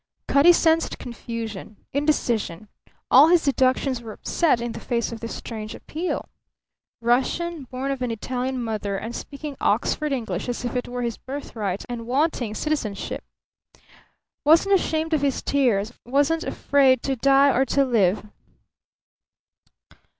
Cutty sensed confusion, indecision; all his deductions were upset in the face of this strange appeal. Russian, born of an Italian mother and speaking Oxford English as if it were his birthright; and wanting citizenship! Wasn't ashamed of his tears; wasn't afraid to die or to live!